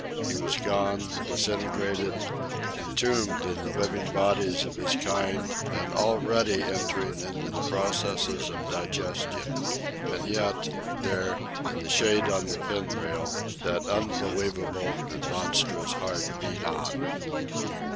He was gone, disintegrated, entombed in the living bodies of his kind, and already entering into the processes of digestion. And yet, there, in the shade on the pin rail, that unbelievable and monstrous heart beat on.